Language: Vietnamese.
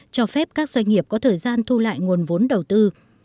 cho phép các doanh nghiệp có thời gian thu lại nguồn vốn đầu tư